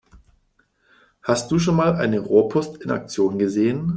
Hast du schon mal eine Rohrpost in Aktion gesehen?